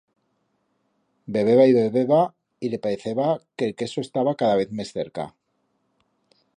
Bebeba y bebeba, y le pareceba que el queso estaba cada vez mes cerca.